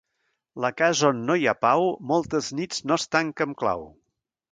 La casa on no hi ha pau moltes nits no es tanca amb clau.